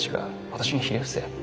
「私にひれ伏せ」。